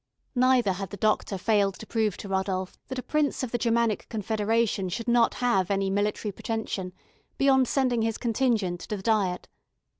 Neither had the doctor failed to prove to Rodolph that a prince of the Germanic Confederation should not have any military pretension beyond sending his contingent to the Diet.